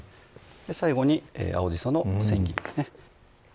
最後に青じその千切りですね